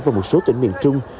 và một số tỉnh miền trung